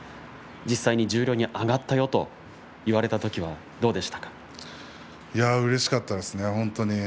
実際に十両に上がったよと言われたときはどううれしかったですね。